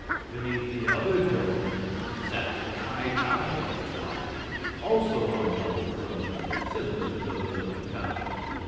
Beneath the other dome sat the Ki Ki of Twi, also on double thrones, similar to those of the Ki.